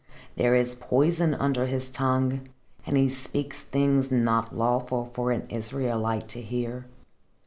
There is poison under his tongue, and he speaks things not lawful for an Israelite to hear.